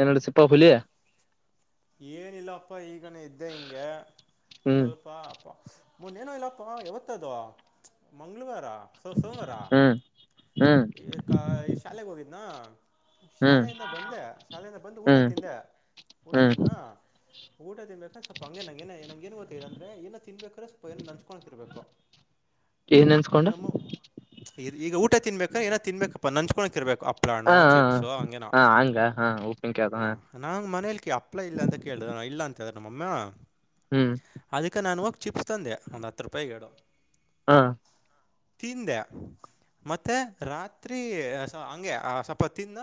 ಏನಡು ಸಿಪ್ಪಾ fully ಏನಿಲ್ಲಪ್ಪ ಈಗ ಇದ್ದೆ ಹಿಂಗೆ ಹ್ಮ್ ಸ್ವಲ್ಪ ಅಪ್ಪ ಮೊನ್ನೇನೋ ಇಲ್ಲಪ್ಪಾ ಯಾವತ್ತದ ಮಂಗಳವಾರ ಸೋ ಸೋಮವಾರ ಹ್ಮ್ ಹ್ಮ್ ಈಗ ಈ ಶಾಲೆೆಗೆ ಹೋಗಿದ್ನಾ ಹ್ಮ್ ಶಾಲೆಯಿಂದ ಬಂದೆ ಶಾಲೆಯಿಂದ ಬಂದು ಊಟ ಹ್ಮ್ ತಿಂದೆ ಊಟ ಹ್ಮ್ ತಿಿಂದ ಊಟ ತಿನ್ಬೇಕ್ರ ಸ್ವಲ್ಪ ಹಂಗೆ ನಂಗಗೆ ಏನೆ ನಂಗಗೆ ಏನ್ ಗೊತ್ತಿದೆ ಅಂದ್ರ ಏನ ತಿನ್ಬೇಕಾದ್ರ ಸ್ವಲ್ಪ ಏನ ನಂಚ್ಕೋಕಿರ್ಬೇಕು ಏನ್ ಅನ್ಸ್ಕೊಂಡ ನಮ್ಮ ಈಗ ಊಟ ತಿನ್ಬೇಕು ಯ ಏನ ತಿನ್ಬೇಕಪ್ಪಾ ನಂಚ್ಕೋಕಿರ್ಬೇಕು ಅಪ್ಲಾನು ಹ ಚಿಪ್ಸು ಹಂಗೇನ ಹಾ ಹಂಗ ಹಾ ಉಪ್ಪಿನಕಾಯಿ ಅದ ಹ ಹಾ ನಾ ಮನೇಲಿ ಅಪ್ಲ ಇಲ್ಲ ಅಂತ ಕೇಳಿದ ಇಲ್ಲ ಅಂತ ಹೇಳ್ರ ನಮ್ಮಮ್ಮ ಹ್ಮ್ ಅದಕ್ಕೆ ನಾನ ಚಿಪ್ಸ್ ತಂದೆ ಒಂದು ಹತ್ತು ರೂಪಾಯ ಹೇಳಡು ಹಾ ತಿಂದ ಮತ್ತೆ ರಾತ್ರಿ ಹಂಗೆ ಸ್ವಲ್ಪ ತಿನ್ನ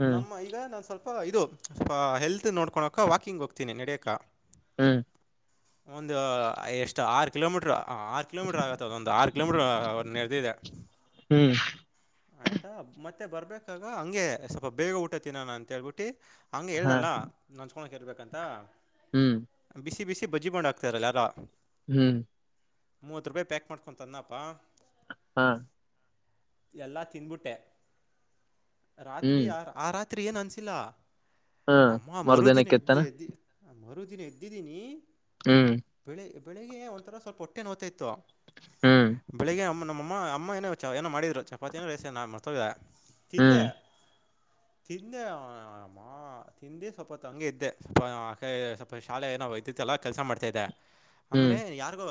ಹ್ಮ್ ನಮ್ಮ ಈಗ ನಾನ್ ಸ್ವಲ್ಪ ಇದು ಸ್ವ ಹೆಲ್ತ್ ನೋಡ್ಕೊಕ ವಾಕಿಂಗ್ ಹೋಗ್ತೀನಿ ನಡಿ ಹ್ಮ್ ಒಂದು ಎಷ್ಟ ಆರು ಕಿಲೋಮೀಟರ್ ಆ ಆರು ಕಿಲೋಮೀಟರ್ ಆಗತ್ತ ಅದೊ ಒಂದು ಆರು ಕಿಲೋಮೀಟರ್ ಅವ ನೆರದ ಇದೆ ಹ್ಮ್ ಆಯ್ತಾ ಮತ್ತೆ ಬರ್ಬೇಕಾಗ ಹಂಗೆ ಸ್ವಲ್ಪ ಬೇಗ ಊಟ ತಿಿನಾನ ಅಂತತ್ ಹೇಳ್ಬಿಟ್ಟಿ ಹಂಗ ಹಾ ಹೇಳ್ದಲ್ಲ ನನ್ಸ್ಕೊಳಕ್ ಇರ್ಬೇಕಂತ ಹ್ಮ್ ಬಿಸಿ ಬಿಸಿ ಬಜ್ಜ ಬಂಡ್ ಆಕ್ತಾರಲ್ಲಾರಾ ಹ್ಮ್ ಮೂವತ್ ರೂಪಾಯಿ ಪ್ಯಾಕ್ ಮಾಡ್ಕೊ ತನ್ನಪ್ಪಾ ಹಾ ಎಲ್ಲಾ ತಿನ್ಬಿಟ್ಟೆ ರಾತ್ರಿ ಹ್ಮ್ ಆ ಆ ರಾತ್ರಿ ಏನ್ ಅನ್ಸಿಲ್ಲ ಹಾ ಅಮ್ಮ ಮರುದಿನ ಎದ್ದ ಎದ್ದಿ ಮರುದಿನ ಎದ್ದಿದ್ದೀನಿ ಹ್ಮ್ ಬೆಳೆ ಬೆಳಿಗ್ಗೆ ಒಂಥರ ಸ್ವಲ್ಪ ಹೊಟ್ಟೆ ನೋ್ತಾ ಇತ್ತು ಹ್ಮ್ ಬೆಳಿಗ್ಗೆ ನಮ್ಮ ಅಮ್ಮ ಅಮ್ಮ ಏನೋ ಚ ಏನೋ ಮಾಡಿದ್ರು ಚಪಾತಿ ಏನೋ ರೇಸ ನ ಮಾಡ್ತದೆ ತಿಂದೆ ಹ್ಮ್ ತಿಂದೆ ಅಮ್ಮ ತಿಂದೆ ಸ್ವಲ್ಪ ಹೊತ್ತು ಹಂಗಗೆ ಇದ್ದೆ ಸ್ವ ಸ್ವಲ್ಪ ಶಾಲೆ ಏನ ವೈದ್ಯತ್ಲ್ಲ ಕೆಲ್ಸ ಮಾಡ್ತಾ ಇದ್ದ ಹ್ಮ್ ಆಮೇಲೆ ಯಾರಿಗೋ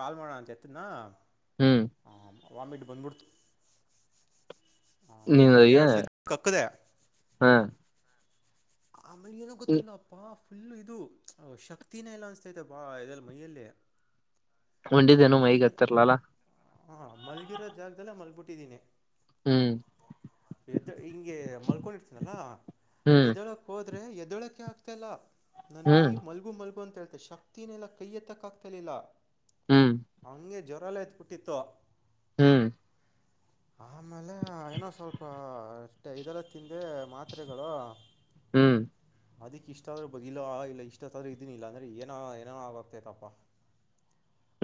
ಕಾಲ್ ಮಾಡೋ ಅಂತ ಎತ್ತನ ಹ್ಮ್ ವಾಮಿಟ್ ಬಂದ್ಬಿಡ್ತು ಅಮ್ಮ ನೀನುಯ ಎರಡು ಸತಿ ಕಕ್ಕಿದೆ ಹಾ ಆಮೇಿ ಇಏನಗಿಲ್ಲ ಪಾಪ್್ ಇದು ಶಕ್ತಿನ ಎಲ್ಲ ಅನ್ಸ್ತೈತೆ ಬಾ ಇದಲ್ಲಿ ಮೈಯಲ್ಲೇ ಉಂಡಿದ್ದೇನುೋ ಮೈಗ್ ಹತ್ತರ್ಲಲ್ಲ ಹಾ ಮಲ್ಗಿರೋ ಜಾಗದೆಲ್ಲ ಮಲ್ಗ್ಬಿಟ್ಟಿದ್ದೀನಿ ಹ್ಮ್ ಎದ ಹಿಂಗೆ ಮಲ್ಕೊಂಡಿರ್ತೀನಲ್ಲ ಹ್ಮ್ ಎದಳ ಎದಳಕೆ ಆಗ್ತ ಇಲ್ಲ ನನ್ ಮೈ ಹ್ಮ್ ಮಲ್ಗು ಮಲ್ಗು ಅಂತ ಹೇ ಶಕ್ತಿನೆಲ್ಲಾ ಕೈ ಎತ್ತಕ್ಕ ಆಗ್ತಿಲಿಲ್ಲ ಹ್ಮ್ ಹಂಗೆ ಜ್ವರಾಲ ಎತ್ಬುಟ್ಟಿತ್ತು ಹ್ಮ್ [inaudible] ಆಮೇಲೆ ಏನೋ ಸ್ವಲ್ಪಷ್ಟ ಇದೆಲ್ಲ ತಿಂದೆ ಮಾತ್ರೆಗಳು ಹ್ಮ್ ಅದಿಕ್ ಇಷ್ಟ ಆದ್ರರು ಬಿಲ್ಲ ಇಲ್ಲ ಇಷ್ಟತ್ತಾದ್ರರು ಇದೀನಿಲ್ಲಲ್ಲ ಅಂದ್ರೆ ಏನ ಏನ ಆ ಆಗ್ತೈತಪ್ಪ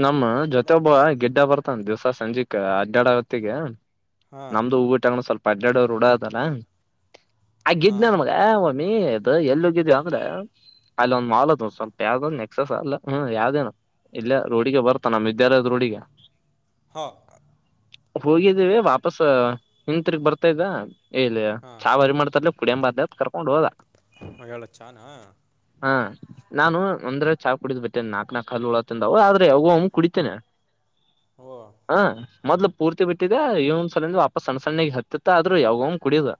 ನಮ್ಮ ಜೊತೆೊಬ್ಬ ಗಗೆಡ್ಡ ಬರ್ತನ್ ದಿವ್ಸ ಸಂಜೆಕ್ ಅಡ್ಡಡ ಹೊತ್ತಿಗ ಹಾ ನಮ್ದು ಹೂ ಊಟಗೊಂಡ ಸ್ವಲ್ಪ ಹಡ್ನೆಡುವರು ಡ ಅದಲ್ಲ ಆ ಹಾ ಗಗೆಜ್ ನನ್ ಮಗ ಮಮ್ಮಿ ಎಲ್ಲಿ ಹಗಿದವಿ ಅಂದ್ರೆ ಅಲ್ಲಿ ಒಂದ್ ಮಾಲ್ದು ಸ್ವಲ್ಪ ಯಾವ್ದ ನೆಕ್ಸಸ್ ಅಲ್ಲ ಹ್ಮ್ ಯಾವ್ದೇನ ಇಲ್ಲ ರೋಡಿಗೆ ಬರ್ತ ನಮ್ಮ ವಿದ್ಯಾಲಯದ ರೋಡಿಗೆ ಹೋಗ ಹೋಗಿದ್ದೀವಿ ವಾಪಸ್ ಹ ತಿರ್ಗ್ ಬರ್ತಾ ಇದ್ದ ಎಲ್ಲಿ ಹಾ ಚಾವರಿ ಮಾಡ್ತರ್ ಕುಡಿಯಂ ಬಾ ಅಂತೇಳಿ ಕರ್ಕೊಂಡ್ ಹೋದ. [unintelligible] ಹೇಳ ಚಾನ. ಹಾ ನಾನು ಒಂದ್ರೆ ಚಾ ಕುಡಿದ್ ಬಿಟ್ಟಿನಿ ನಾಕ್ ನಾಕ್ ಹಲ್ ಹುಳ ತಿಂದಾವ ಆದ್ರೆ ಯಾವಾಗೋ ಒಮ್ ಕುಡಿತೇನೆ. ಓ ಹಾ. ಮೊದ್ಲು ಪೂರ್ತಿ ಬಿಟ್ಟಿದೆ ಇವಾಗ ಒಂದ್ ಸರೀನು ವಾಪಸ್ ಸಣ್ಣ ಸಣ್ಣಿಗೆ ಹತ್ತಿತ್ತ ಆದ್ರು ಯಾವಾಗೋ ಒಮ್ ಕುಡಿಯುದು.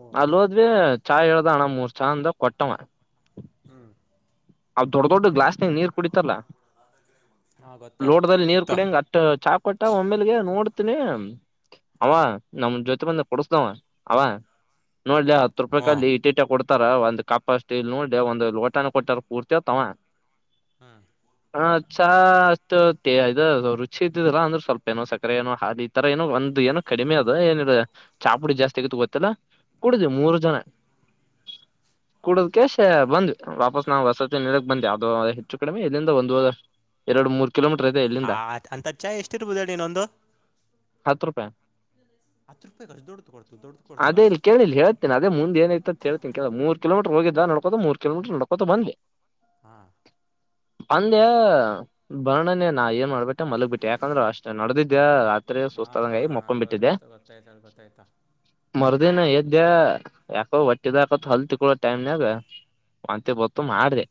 ಓ ಅಲ್ಲಿ ಹೋದ್ವಿ ಚಾ ಹೇಳ್ದ ಅಣ ಮೂರ್ ಚಾ ಅಂದ ಕೊಟ್ಟವ. ಹ್ಮ್ ಅವ ದೊಡ್ ದೊಡ್ ಗ್ಲಾಸ್ನಾಗ ನೀರ್ ಕುಡಿತಾರಾಲ್ಲ ಹಾ ಗೊತ್ತೇಳ ಲೋಟದಲ್ಲಿ ನೀರ್ ಗೊತ್ತಾ ಕುಡಿಯಂಗ ಅಷ್ಟ ಚಾ ಕೊಟ್ಟ ಒಮ್ಮೇಲ್ಗೆ ನೋಡ್ತನಿ ಅವ ಹಾ ನಮ್ಮ ಜೊತೆ ಬಂದ್ ಕೊಡಸ್ದವ ಅವ ನೋಡ್ಲೆ ಹತ್ತು ರೂಪಾಯಿಕ ಹ್ಞೂ ಅಲ್ಲಿ ಇಟ್ ಇಟ್ಟೆ ಕೊಡ್ ತಾರ ಒಂದ್ ಕಪ ಅಷ್ಟ್ ಇಲ್ ನೋಡ್ಲೆ ನೋಡಿ ಒಂದು ಲೋಟನ ಕೊಟ್ಟಾರ ಪೂರ್ತಿ ಆತಾವ. ಹ್ಮ್. ಹಾ ಚಾ ಅಷ್ಟು ಇದು ರುಚಿ ಇದ್ದಲ್ಲಾ ಅಂದ್ರೆ ಸ್ವಲ್ಪ ಏನೋ ಸಕ್ಕರೆ ಏನೋ ಹಾಲಿ ಈ ತರ ಏನೋ ಒಂದ್ ಏನೋ ಕಡಿಮೆ ಅದ ಏನ ಚಾಪುಡಿ ಜಾಸ್ತಿ ಆಗತ್ತು ಗೊತ್ತಿಲ್ಲ ಕುಡುದ್ವಿ ಮೂರು ಜನ. [inaudible] ಕೂಡದ ಕೇಶ್ ಬಂದ್ವಿ ವಾಪಸ್ ನಾವು ವಸತಿ ನಿಲಯಕ್ ಬಂದ್ವಿ ಅದು ಹೆಚ್ಚು ಕಡಿಮಿ ಅಲ್ಲಿಂದ ಒಂದ್ ಎರಡು ಮೂರ್ ಕಿಲೋಮೀಟರ್ ಅದೆ ಆ ಇಲ್ಲಿಂದ ಅಂಥ ಚಾಯ್ ಎಷ್ಟಿರ್ಬೋದು ಹೇಳಿ ಇನ್ನೊಂದು ಹತ್ತು ರೂಪಾಯಿ. ಹತ್ತು ರೂಪಾಯಿಗೆ ಅಷ್ಟು ದೊಡ್ಡದು ಕೊಡ್ತು ದೊಡ್ಡದು ಕೊಡ್ತಾರಾ ಅದೇ ಇಲ್ಲಿ ಕೇಳಿಲ್ಲಿ ಹೇಳ್ತಿನಿ ಅದೇ ಮುಂದೆ ಏನಾಯ್ತು ಅಂತ್ ಹೇಳ್ತಿನ್ ಕೇಳು ಮೂರ್ ಕಿಲೋ ಹೋಗಿದ್ದ ನಡ್ಕೋದು ಮೂರ್ ಕಿಲೋಮೀಟರ್ ನಡ್ಕೋತ ಬಂದ್ವಿ. ಹಾ. ಅಂದೆ ಬರ್ಣನೆ ನ ಎ ನ್ ಮಾಡ್ಬಿಟ್ಟೆ ಮಲಗ್ಬಿಟ್ಟೆ ಯಾಕಂದ್ರೆ ಅಷ್ಟ್ ನಡದಿದ್ದೆ ರಾತ್ರಿ ಸುಸ್ತಾದಂಗ್ ಆಗಿ ಹಾಂ ಮಕೊಂಡ್ ಬಿಟ್ಟಿದ್ದೆ. ಗೊತ್ತ ಗೊತ್ತಾಯ್ತ ಗೊತ್ತಾಯ್ತಾ ಮರುದಿನ ಎದ್ದೇ ಯಾಕೋ ಹೊ ಟ್ಟಿದಕತ್ ಹಲ್ ತಿಕ್ಕೊಳೋ ಟೈಮ್ನಾಗ ವಾಂತಿ ಬತ್ತು ಮಾಡ್ದೆ.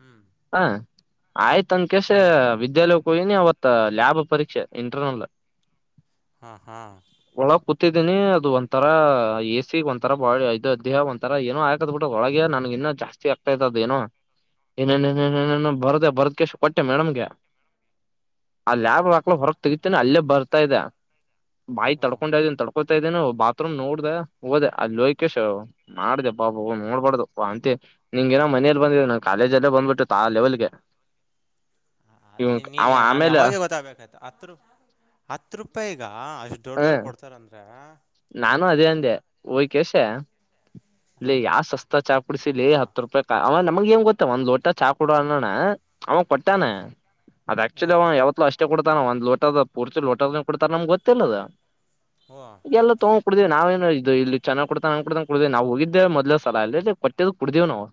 ಹ್ಮ್. ಹಾ ಆಯ್ತ್ ಅಂದ ಕೆಸ ವಿದ್ಯಾಲ ಕೊಯನಿ ಅವತ್ತ ಲ್ಯಾಬ್ ಪರೀಕ್ಷೆ ಇಂಟರ್ನಲ್. ಹ್ಮ್ ಹ್ಮ್. ಒಳಗ್ ಕೂತಿದ್ದೀನಿ ಅದು ಒಂತರಾ ಎಸಿಗ್ ಒಂತರ ಬಾ ಇದು ದೇಹ ಒಂತರ ಏನೋ ಆಯಕದ್ ಬಿಟ್ಟ ಒಳಗೆ ನ ಇನ್ನ ಜಾಸ್ತಿ ಆಗ್ತೈತ್ ಏನೋ ಏನೇ ಹ್ಮ ಬರಡಾ ಬರದ್ಕಷ್ಟ ಕೊಟ್ಟೆ ಮೇಡಮ್ಗೆ. ಅಲ್ ಲ್ಯಾಬ್ ಹಾಂ ಹಾಕ್ಲ ಹೊರಕ್ ತೆಗತೇನ ಅಲ್ಲೇ ಬರ್ತಾ ಇದೆ. ಬಾಯಿ ತಡ್ಕೊಂಡ ಇದ್ದೀನಿ ತಡ್ಕೊತ ಇದ್ದೇನ ಬಾತ್ರೂಮ್ ನೋಡ್ದ ಹೋಗೋದೆ ಅ ಲೋಕೇಶ್ ಮಾಡ್ದಪ್ಪಾ ನೋಡ್ಬಾರ್ದು ವಾಂತಿ ನಿಂಗೆ. ಮನೇಲಿ ಬಂದಿದ್ದ್ ನಾ ಕಾಲೇಜ ಅಲ್ಲೇ ಬಂದ್ಬಿಟ್ಟಿತ್ತು ಆ ಲೆವೆಲ್ಗೆ. ಇವ ದ್ ನೀನ್ ಅವ ನಾನ್ ಆಮೇಲೆ ಯಾವಾಗೇ ಗೊತ್ತಾಗಬೇಕಾಯ್ತು ಹತ್ರರು. ಹತ್ ರೂಪಾಯಿ ಈಗ ಅಷ್ಟ್ ದೊಡ್ ಹ ದವಲ್ ಕೊಡ್ತಾರಂದ್ರ. ನಾನು ಅದೇ ಅಂದೆ ಹೊಯ್ ಕೆಸೆ. ಲೇಯ್ ಯಾವ ಸಸ್ತ ಚಾ ಕುಡಸಿಲೇ ಹಾಂ ಹತ್ತು ರೂಪಾಯಿಗ ಅವ ನಮ್ಗ್ ಏನ್ ಗೊತ್ತಾ ಒಂದ್ ಲೋಟ ಚಾಕ ಕೊಡ ಅನ್ನೋಣ. ಅವ ಕೊಟ್ಟಾನೆ ಹಾಂ ಅದ ಹ್ಞೂ ಆಕ್ಚುಲಿ ಅವ ಯಾವತ್ಲೂ ಅಷ್ಟೇ ಕೊಡ್ತ ಕೊಡ್ತಾನವ ಒಂದ್ ಲೋಟದ ಪೂರ್ತಿ ಲೋಟದ ಕೊಡ್ತಾರ ನಮ್ಗೆ ಗೊತ್ತಿಲ್ಲದ. ಹೋ. ಎಲ್ಲ ತೊಗೊಂಡ ಕೂಡಿದೆವಿ ನಾವ ಏನು ಇಲ್ಲಿ ಚೆನ್ನಾಗ್ ಕೊಡ್ತಡ ಕುಡವಿ ನಾವು ಹೋಗಿದ್ದೇ ಮೊದಲ ಸಲಾ ಇ ಕೊಟ್ಟ ಕುಡಿದೆವಿ ನಾವು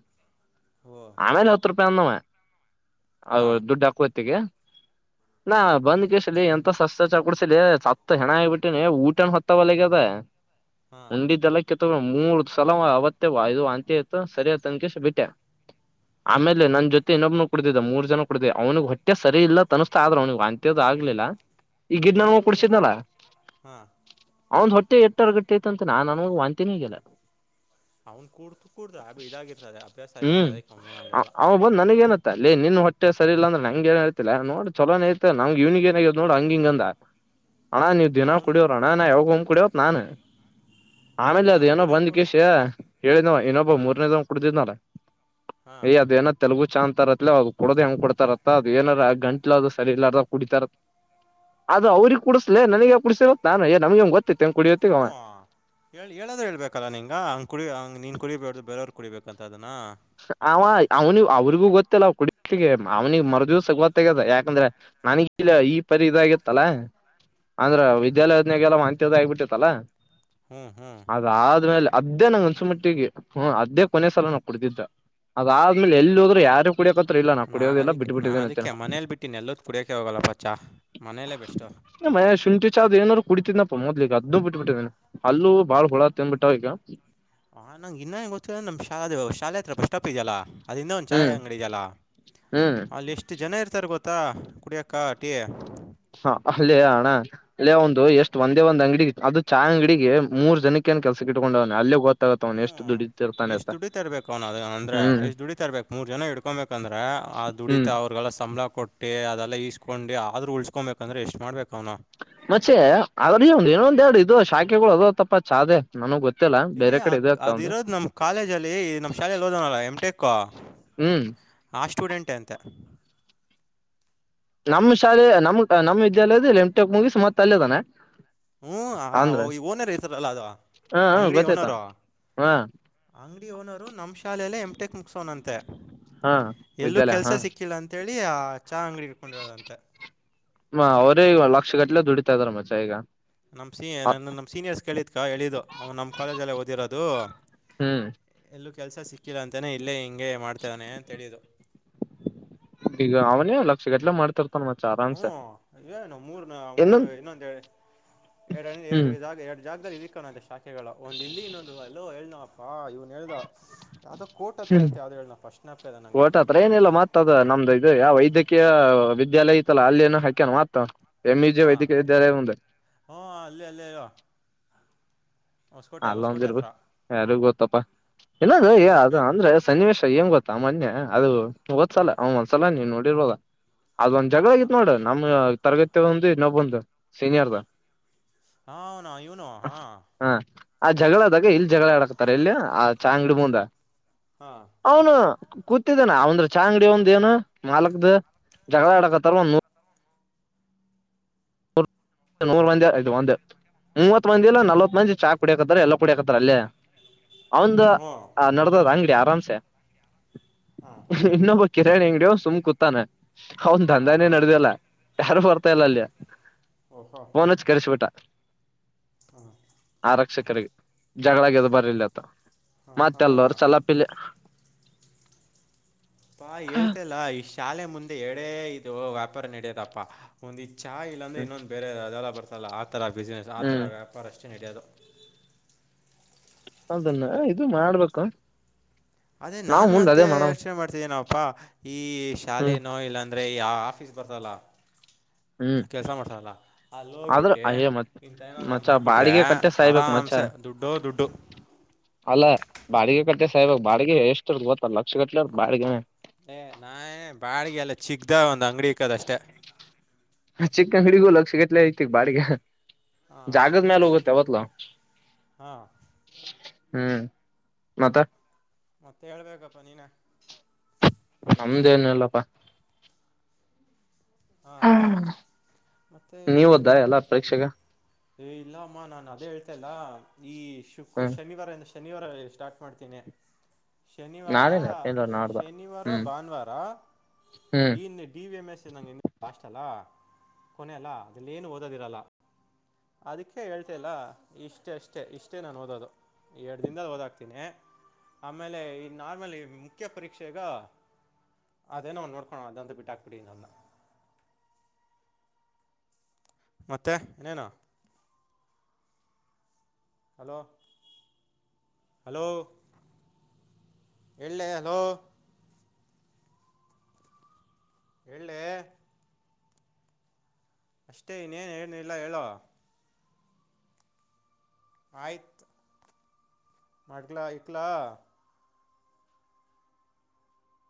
ಹ್ಞೂ ಆಮೇಲೆ ಹತ್ತು ರೂಪಾಯಿ ಅಂದವ ಹಾ ಅ ದುಡ್ಡು ಹಾಕ ಹೊತ್ತಿಗೆ. ನಾ ಬಂದ್ ಕಸಲಿ ಎಂತ ಸಸ್ತಾ ಚಾ ಕುಡ್ಸಲಿ ಸತ್ ಹೆಣ ಆಗಿಬಿಟ್ಟಿನಿ ಊಟನ ಹೊತ್ ಒಲಗ ಅದ ಹಾ ಉಂಡಿದ್ದೆಲ್ಲ ಕೆ ಮೂರ್ ಸಲ ಅವತ್ತೇ ಇದು ವಾಂತಿ ಆಯ್ತು ಇತ್ತು ಸರಿಯ ತನಕ ಬಿಟ್ಟೆ. ಹಾ ಆಮೇಲೆ ನನ್ ಜೊತೆ ಇನ್ನೊಬ್ನು ಕುಡ್ದಿದೆ ಮೂರ್ ಜನ ಕುಡ್ದ ಅವನಿಿಗೆ ಹೊಟ್ಟೆ ಸರಿ ಇಲ್ಲ ತನಿಸ್ತಾ ಆದ್ರರು ಅವನಿಗೆ ಅಂತ್ಯದದು ಆಗ್ಲಿಲ್ಲ ಈಗಿದ ನ ಕೆಲವ್ರಗ ಒಂದೊಂದು ಕುಡ್ಸಿದ್ನಲ್ಲ ಹಾ ಅವಂದ್ ಹೊಟ್ಟೆ ಎಟ್ಟರ್ಗಟ್ಟೆ ಐತಂತ ನಾನ್ ಅನ್ ಒಂದ್ ತಿನ್ಗಲ್ಲ ಅವನ್ ಕೂಡ್ತು ಕೂಡ್ರ ಇದಾಗಿರ್ತದೆ ಅಭ್ಯಾಸ ಆಗಿರ್ತದೆ ಅವಂಗ ಏನ ಆಗರಲ್ಲ ಇೇ ನಿನ್ ಹೊಟ್ಟೆ ಸರಿ ಇಲ್ಲ ಅಂದ್ರೆ ನಂಗ ಏ ಹೇಳ್ತಿಲ್ಲ ನೋಡ್ ಚಲೋನ ಐತೆ ನಂಗ ಇವ್ನಿಗೆ ಏನಾಗ್ಯೋ ನೋಡ ಹಂಗ ಹಂಗಂದ ಹಣ್ಣ ನೀವು ದಿನ ಅವ್ನ್ ಕುಡಿಯೋರಣ ನಾ ಯಾವ ಕುಡವತ್ ನಾಾನು ಆಮೇಲೆ ಅದೇ ಅದ ಅವನ್ ಏನೋ ದಿನ ಬಂದ ಕೂಡ ಕಷ ಹೇಳಿದವ ಇನ್ನೊಬ್ಬ ಮೂರನೇದ ಕುಡಿದ್ನಳ ಹಾ ಯ್ ಅದ ಏನ ತೆಲುಗು ಚಂದ್ ತಾರತ್ಲ ಅ್ದು ಕೊಡೋ್ ಹೆಂಗ್ ಕೊಡ್ತಾರತ್ತ ಅದು ಏನಾರ ಆ ಗಂಟ್ಲ ಅದು ಸರಿ ಇಲಾರ ಕುಡಿತಾರ ಅದು ಅವ್ರಗ್ ಕುಡಡ್ಸಲಲೆ ನನಗೆಗ ಕುಡಡ್ಸವತ್ ನಾನುಯ ನಮಗೆ ಗೊ ಹಓ ಹೇಳಾದ್ರೆ ಹೇಳ್ಬೇಕಲ್ಲಾ ನಿನ್ಂಗ ಹಂಗ ಕುಡಂಗ ನೀನ್ ಕುಡಿಬೇಕ ಬೇರೆಯವರು ಕುಡಿಬೇಕಂತ ಅದನ್ನ ಆ ಅವ್ನು ಅವ್ರಿಗೂ ಗೊತ್ತಿಲ್ಲ ಅವ ಕುಡಿಗೆ ಅವ್ನಿಗೆ ಮರು ದಿವಸ ಗೊತ್ತಾಗ್ಯದ ಯಾಕಂದ್ರೆ ನನಗ್ ಇಲ್ಲ ಈ ಪರಿ ಇದಾಗಿತ್ತಲ್ಲಾ ಹ ಅಂದ್ರ ವಿದ್ಯಾಲಯೋದ್ನಾಗಲ್ಲ ವಾಂತಿದ ಆಗಿಬಿಟ್ಟತ್ತಲ್ಲ ಹ್ಮ್ ಹ್ಮ್ ಅದಾದ್ಮೇಲೆ ಅದ್ದೇ ಅನ್ಸುಮಟ್ಟಿಗೆ ಹ ಅದ್ದೇ ಕೊನೆ ಸಲ ನಾವು ಕುಡತಿದ್ದ ಅದ ಆದ್ಮೇಲೆ ಎಲ್ಲಿ ಹೋದ್ರು ಯಾರ ನಾನು ಅದಕ್ಕೆ ನಾನು ಅದಕ್ಕೆ ಮನೇಲಿ ಬಿಟ್ಟನ ಎಲ್ಲದ ಕುಡಿಯಕೆ ಹೋಗಲ್ಲಪ್ಪಚ್ಚಾ ಮನೆಯಲ್ಲೇ ಬೆಸ್ಟ್ ಮೆ ಶುಂಠಿ ಚಾವ್ ಏನ್ ಕುಡಿತಿದ್ನ ಮೊದ್ಲಿಕ್ಕೆ ಅದ್ದು ಬಿಟ್ಟುಬ ಬಿಟ್ಟಿದನ ಅಲ್ಲೂ ಬಾಳ್ ಹೊಳಾ ತಿನ್ ಬಿಟ್ಟಾವ ಈಗ ಹಾ ನಂಗಗೆ ಇನ್ನ ಹೆ ಗೊತ್ತ ನಮ್ ಶಾಲ ಶಾಲೆ ಹತ್ರ ಸ್ಟಾಪ್ ಇದೆಯಲ್ಲಾ ಅದಿಂದ ಒಂದು ಚಛಾಯೆ ಹ್ಮ್ ಅಂಗಡಿ ಜಲ ಹ್ಮ್ ಅಲ್ಲಿ ಎಷ್ಟು ಜನ ಇರ್ತಾರೆ ಗೊತ್ತ ತ್ತಾ ಕುಡಿಯಕ್ಕಾಟಿಯ ಹಾ ಅಲ್ಲೇ ಅಣ್ಣ ಅಲ್ಲೇ ಒಂದು ಎಷ್ಟು ಒಂದೇ ಒಂದ್ ಅಂಗಡಿಗೆ ಅದು ಚಾ ಅಂಗಡಿಗೆ ಮೂರ್ ಜನಕ್ಕೆ ಕೆಲಸ ಇಟ್ಟಕೊಂಡವನು ಅಲ್ಲೇ ಗೊತ್ತಾಗುತ್ತ ಅವ ಎಷ್ಟು ದುಡ ಎಷ್ಟ್ ದುಡಿತಾ ಇರ್ಬೇಕ ಅವ್ನ ಅ ಅಂದ್ರೆ ಹ್ಮ್ ಎಷ್ಟ್ ದುಡಿತಾ ಇರ್ಬೇಕಕ್ ಮೂರ್ ಜನ ಇಡ್ಕೊಂಬಬೇಕಂದ್ರೆ ಆ ದುಡಿತ ಹ್ಮ್ ಅವ್ರು ಅವಲ್ಲ ಸಂಬಳ ಕೊಟ್ಟಿ ಅದೆಲ್ಲ ಈಸ್ಕೊಂಡು ಆದ್ರರು ಉಳ್ಸ್ಕೊಬೇಕಂದ್ರೆ ಎಷ್ಟ್ ಮಾಡ್ಬೇಕು ಅವನು ಮತ್ತೆ ಆದ್ರ ಇಏನೊಂದ್ ಎರಡು ಇದು ಶಾಖೆಗಳು ಅದ ತಪ್ಪಾ ಚಾದೆ ನನಗಗ್ ಗೊತ್ತ ಏ ಅ ಅದ ಇರೋದ್ ನಮ್ ಕಾಲೇಜ ಅಲ್ಲಿ ನಮ ಶಾಲೆಯಲ್ಲಿ ಓದೋನಲ್ಲ ಎಮ ಟೆಕ ಹ್ಮ್ ಆ ಸ್ಟೂಡೆಂಟ್ ಎಂತ ನಮ್ಮ್ ಶಾಲೆ ನಮ್ ನಮ್ಮ್ ವಿದ್ಯಾಲಯದ ಎಂಟ ಮುಗಿಸಿ ಮತ್ತತ್ ಅಲ್ಲೇದಾನೆ ಹ್ಮ್ ಓನರ್ ಹೆತರಲ್ಲ ಅದು ಹ ಹ ಅಂಗಡಿ ಗೊತ್ತಾಯ್ತ ಓನರ್ ಹಾ ಅಂಗಡಿ ಓನರು ನಮ್ಮ ಶಾಲೆಯಲ್ಲೇ ಎಂಟೆಕ್ ಮುಗಸೋನಂತೆ ಹಾ ಎಲ್ಲೂ ವಿದ್ಯಾಲಯ ಕೆಲಸ ಹಾ ಸಿಕ್ಕಿಲ್ಲ ಅಂತೇಳಿ ಚಹ ಅಂಗಡಿ ಇಡ್ಕೊಂಡಿರೋದಂತೆ ಲಕ್ಷಗಟ್ಲೆ ದುಡಿತತ ಇದಾರ ಮಚ ಈಗ ನಮ್ಮ ಸ ನನ್ನ ನಮ್ಮ ಸೀನಿಯರ್ಸ್ ಕೇಳಿದ್ ಕಾ ಎು ಅವನು ನಮ್ಮ ಕಾಲೇಜಲ್ಲೇ ಓದಿರೋದು ಹ್ಮ್ ಎಲ್ಲೂ ಕೆಲಸ ಸಿಕ್ಕಿಲ್ಲ ಅಂತನೇ ಇಲ್ಲೇ ಹಿಂಗೆ ಮಾಡ್ತಾನೆ ಅಂತಳು ಈಗ ಅವನೇ ಲಕ್ಷ ಗದಲ ಮಾಡ್ತರ್ ಹ್ಮ ಇನು ಮೂರ್ ಮೂರ್ ಇನ್ನೊಂದ್ ಇನ್ನೊಂದು ಎರಡ ಹ್ಮ್ ಎರಡ್ಗ ಎರ ಜಾಗ್ದಾರ್ ಇದಕ್ಕಣೆ ಶಾಖೆಗಳ ಒಂದ್ ಇಲ್ಲಿ ಇನ್ನೊಂದು ಅಲ್ಲೋ ಹೇಳನಪ್ಪಾ ಇವ್ನ್ ಹೇಳ್ದ ಯಾವುದೋ ಕೋರ್ಟ್ ಹತ್ರ ಹ್ಮ್ ಅಂತ ಯಾವುದೋ ಹೇಳ್ದ ಫಸ್ಟ್ ಜ್ಞಾಪಕ ನಂಗೆ ತೊಟತ್ರ ಏನಿಲ್ಲ ಮತ್ತ ಅದ ನಮ್ದು ಇದು ಯಾವ ವೈದ್ಯಕ ಮು ವಿದ್ಯಾಲಯ ಇತ್ತಲ್ಲಾ ಅಲ್ಲಿ ಏನ ಹಾಕ್ಯಾನ ಮಾತ ಎಮಿಜ ಹಾಂ ವೈದ್ಯಿಕದಾಲಯ ಹ ಹ್ಞೂ ಅಲ್ಲಿ ಅಲ್ಲೇ ಇರೋ ಹೊಸಕೋಟೆ ಅಲ್ಲ ಹೊಸಕೋಟೆ ಒಂದಿರ್ಬ ಹತ್ರ ಯಾರಿಗ್ ಗೊತ್ತಪ್ಪಾ ಇನ್ನದು ಅದು ಇರ್ಬೇಕು ಅಂದ್ರೆ ಸನ್ನಿವೇಶ ಏಂಗ್ ಗೊತ್ತ ಸಾಮನ್ಯ ಅದು ಒದ್ಸಲ ಅವ ಒಂದ್ಸಲ ನೀವ್ ನೋಡಿರ್ಬೋದ ಅದೊಂದ್ ಜಗಳ ಹಾಂ ಆಗಿತ್ತು ನೋಡ ನಮ್ ತರಗತಿ ಒಂದು ಇನ್ನೊಬ್ಬಂದು ಸೀನಿಯರ್ದ ಹ ಹನ ಇವನು ಹಾ ಹ ಆ ಜಗಳದಾಗ ಇಲ್ಲಿ ಜಗಳ ಆಡಾಕ್ತಾರೆ ಎಲ್ಲಿ ಆ ಚಾ ಅಂಗಡಿ ಮುಂದ ಹಾಂ ಅವನು ಕೂತಿದ್ದನ ಅವಂದ್ರ ಚ ಅಂಗಡಿ ಒಂದ ಏನು ಮಾಲಕ್ದ ಜಗಳ ಆಡಕತ್ತಾರ ಒಂದ ನೂರು ವಂದ ಇದು ಒಂದ ಮೂವತ್ ಮಂದಿ ಇಲ್ಲ ನಲ್ವತ್ ಮಂದಿ ಚಾ ಕುಡಿಯಕತ್ತಾರ ಎಲ್ಲ ಕುಡಿಯಕತ್ತಾರ ಅಲ್ಲೇ ಅವಂದ ಹ್ಞೂ ನಡದದ ಅಂಗಡಿ ಆರಾಮ್ಸೆ ಹಾಂ ಇನ್ನೊಬ್ಬ ಕಿರಣ್ ಅಂಗಡಡಿ ಸುಮ್ ಕುೂತಾನ ಅವನ್ ಹಾಂ ದಂದಾನೇ ನಡ್ದಲ್ಲ ಯಾರು ಬರ್ತಾ ಇಲ್ಲ ಹಾಂ ಅಲ್ಲಿಯ ಓಹೋ ನ್ಚ್ಚ ಕರೆಸಿ ಬಿಟಾ ಹಾಂ ಆರಕ್ಷಕರಿಗೆ ಜಗಳಾಗದು ಬರ್ಲ್ಲತ್ತ ಹಾಂ ಮತ್ತೆ ಹಾಂ ಅಲ್ಚಲಪಿಲ್ಲ ಪಾ ಹೇಳ್ತಲ್ಲ ಈ ಶಾಲೆ ಮುಂದೆ ಎರಡೇ ಇದು ವ್ಯಾಪಾರ ನಡಿಯದಪ್ಪಾ ಒಂದ ಚಾಯ ಇ ಅ್ರ ಇನ್ನೊಂದ್ ಬೇರೆ ಅದೆಲ್ಲ ಬರ್ತಲ್ಲ ಆತರ ಬಿಸ್ನೆಸ್ ಆ ಹ್ಮ್ ತರ ವ್ಯಾಪಾರ ಅಷ್ಟ ಪ್ರಕ್ಷನಡೆಯಾದ ಅದನ್ನ ಇದು ಮಾಡ್ಬೇಕು ಅದೇ ನಾವ್ ನಾನು ಮುಂದ್ ಅಂತ ಅದೇ ಮಾಡವ ಯೋಚನೆ ಮಾಡ್ತಿದ್ದೀನಪ್ಪಾ ಈ ಹ್ಮ್ ಶಾಲೆನೋ ಇಲ್ಲ ಅಂದರೆ ಯ ಆಫೀಸ್ ಬರ್ತಲ್ಲ ಹ್ಮ್ ಕೆಲ್ಸ ಮಾಡ್ಸಾರಲ್ಲ ಅಲ್ಲಿ ಆದ್ರ ಹೋಗ್ಬಿಟ್ಟಿ ಅಯ ಮತ್ ನಿ ತೈನ ಮಚ್ಚ ಮಾಡ್ಬಿಟ್ರೆ ಬಾಡಿಗೆ ಕಟ್ಟೆ ಸಾಯ್ಬೇಕಕ್ ಆರಾಮ ಮಚ್ಚ ಮಸ ದುಡ್ಡು ದುಡ್ಡು ಅಲ್ಲ ಬಾಡಿಗೆ ಕಟ್ಟೆ ಸಾಯಬ ಬಾಡಿಗೆ ಎಷ್ಟ ಗೊತ್ತ ಲಕ್ಷ ಕಟ್ಲೆ ಬಾಡಿಗೆ ಏ ನಾ ಬಾಡಿಗೆ ಎಲ್ಲ ಚಿಕ್ದ ಒಂದ್ ಅಂಗಡಿ ಇಕ್ಕದಷ್ಟೇ ಸಿಗಲ ಐತಿ ಬಾಡಿಗೆ ಹಾಂ ಜಾಗದ ಮಲು ಒಗ ತ ಹೊತ್ಲ ಹಾಂ ಹ್ಮ್ ಮತ್ತ ಮತ್ತೆ ಹೇಳ್ಬೇಕಪ್ಪಾ ನೀನ ನಮ್ದೇನಲ್ಲಪ್ಪಾ ಹಾಂ ಹ ಮತ್ತೆ ನೀವ ಒದ್ದಾ ಇನ್ನೇನು ಎಲ್ಲ ಪರೀಕ್ಷಗ ಏ ಇಲ್ಲ ಅಮ್ಮ ನಾನ್ ಅದೇ ಹೇಳ್ತ ಇಲ್ಲ ಈ ಶುಕ್ರ ಹ್ಮ್ ಶನಿವಾರಂದ ಶನಿವಾರ ಸ್ಟಾರ್ಟ್ ಮಾಡ್ತೀನಿ ಶನಿವಾರ ನಾಳೆನ ಇಲ್ಲ ನಾಡ್ದ ಶನಿವಾರ ಹ್ಮ್ ಭಾನುವಾರ ಹ್ಮ್ ಈನ್ನೆ ಡಿ ವಿ ಎಂ ಎಸ್ ನಗೆ ಇ ಲಾಸ್ ಅಲ್ಲ ಕೊನೆ ಅಲ್ಲಾ ಅದಲ್ಲಿ ಏನು ಓದದಿರಲ್ಲ ಅದಕ್ಕೆೇ ಹೇಳ್ತಿಲ್ಲ ಇಷ್ಟ ಅಷ್ಟೇ ಇಷ್ಟೇ ನಾನು ಓದೋದು ಎರಡ್ ದನ್ದಲ್ ಹಓದಾಗಾತೀನಿ ಆಮೇಲೆ ಈ ನಾರ್ಮಲ್ ಮುಖ್ಯ ಪರೀಕ್ಷೆಗ ಅದೇನ ಒನ್ ನೋಡ್ಕೊ ಅದಂತ ಬಿಟ್ಟಾಕ್ಬಿಡಿನ್ನ ಮತ್ತೆ ನೇನು ಹಲೋ ಹಲೋ ಎಲ್ಲೆ ಹಲೋ ಎಳ್ಳೆ ಅಷ್ಟೇ ಇನ್ನೇನ್ ಏನಿಲ್ಲ ಹೇಳುವ ಆಯ್ತು ಮಾಡಡ್ಗ್ಲಾ ಇಕ್ಲಾ